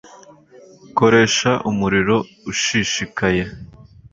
koresha umuriro ushishikaye